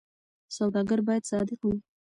سوداګر باید صادق وي.